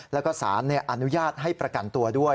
แล้วก็สารอนุญาตให้ประกันตัวด้วย